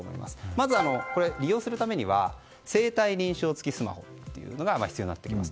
まず、利用するために生体認証付きスマホが必要になってきます。